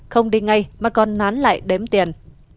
không đi ngay mà còn nán lại đếm tiền